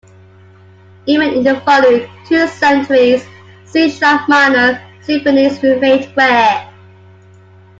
Even in the following two centuries, C-sharp minor symphonies remained rare.